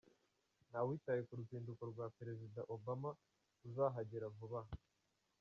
Ntawitaye ku ruzinduko rwa Perezida Obama uzahagera vuba aha.